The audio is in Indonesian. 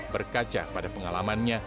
berkaca pada pengalamannya